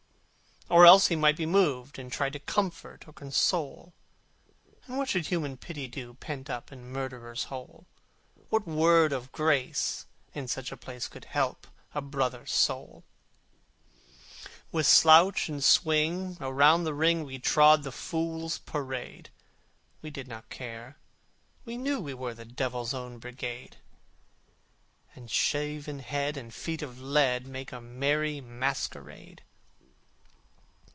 Or else he might be moved, and try To comfort or console: And what should Human Pity do Pent up in Murderers' Hole? What word of grace in such a place Could help a brother's soul? With slouch and swing around the ring We trod the Fools' Parade! We did not care: we knew we were The Devils' Own Brigade: And shaven head and feet of lead Make a merry masquerade.